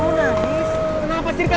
ada di negara